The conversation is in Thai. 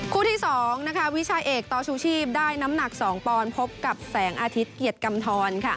ที่๒วิชาเอกต่อชูชีพได้น้ำหนัก๒ปอนด์พบกับแสงอาทิตย์เกียรติกำทร